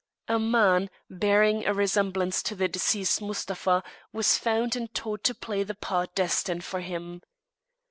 A man, bearing a resemblance to the deceased Mustapha, was found and taught to play the part destined for him.